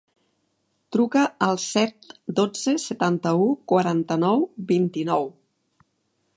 Truca al set, dotze, setanta-u, quaranta-nou, vint-i-nou.